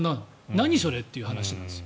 何それ？っていう話なんですよ。